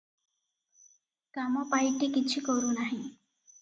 କାମ ପାଇଟି କିଛି କରୁ ନାହିଁ?